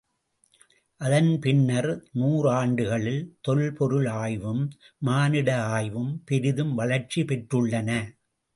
அதன் பின்னர் நூறாண்டுகளில் தொல்பொருள் ஆய்வும், மானிட ஆய்வும் பெரிதும் வளர்ச்சி பெற்றுள்ளன.